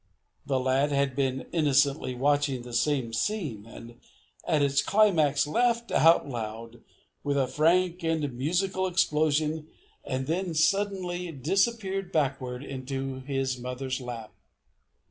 The lad had been innocently watching the same scene, and at its climax laughed out loud, with a frank and musical explosion, and then suddenly disappeared backward into his mother's lap.